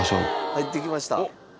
入ってきました。